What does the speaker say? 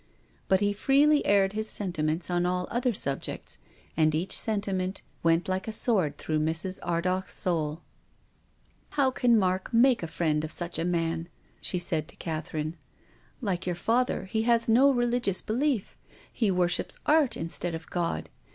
But he freely aired his sentiments on all other subjects, and each sentiment went like a sword through Mrs. Ardagh's soul. " How can Mark make a friend of such a man," she said to Catherine. " Like your father, he has no religious belief. He worships art instead of God.